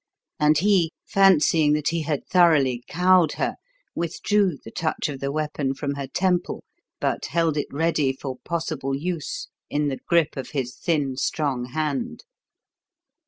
And he, fancying that he had thoroughly cowed her, withdrew the touch of the weapon from her temple, but held it ready for possible use in the grip of his thin, strong hand.